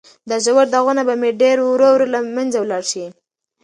دا ژور داغونه به په ډېرې ورو ورو له منځه لاړ شي.